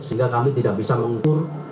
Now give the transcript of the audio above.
sehingga kami tidak bisa mengukur